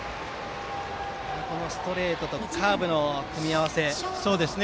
ストレートとカーブの組み合わせでした。